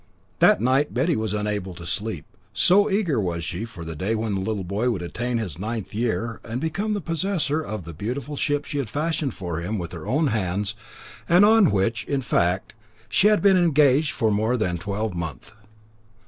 That night Betty was unable to sleep, so eager was she for the day when the little boy would attain his ninth year and become the possessor of the beautiful ship she had fashioned for him with her own hands, and on which, in fact, she had been engaged for more than a twelvemonth.